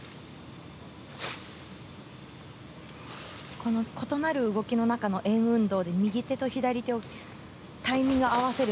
この異なる動きの中の円運動の中で右手と左手をタイミング合わせる